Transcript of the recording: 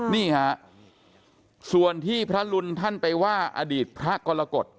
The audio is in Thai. นี่ฮะส่วนที่พระรุนท่านไปว่าอดีตพระกรกฎ